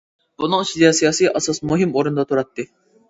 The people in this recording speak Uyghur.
بۇنىڭ ئىچىدە سىياسىي ئاساس مۇھىم ئورۇندا تۇراتتى.